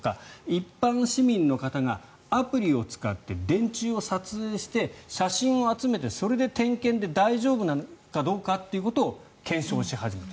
一般市民の方がアプリを使って電柱を撮影して写真を集めて、それで点検で大丈夫なのかどうかってことを検証し始めた。